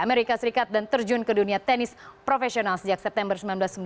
amerika serikat dan terjun ke dunia tenis profesional sejak september seribu sembilan ratus sembilan puluh